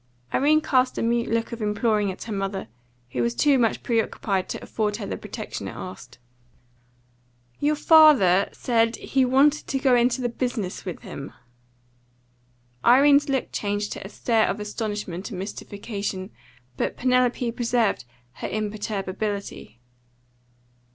Irene cast a mute look of imploring at her mother, who was too much preoccupied to afford her the protection it asked. "Your father said he wanted to go into the business with him." Irene's look changed to a stare of astonishment and mystification, but Penelope preserved her imperturbability.